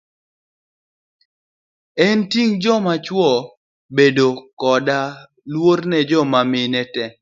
En ting' joma chuo bedo koda luor ne joma mine tee.